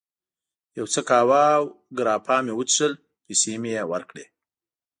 یو څه قهوه او ګراپا مې وڅښل، پیسې مې یې ورکړې.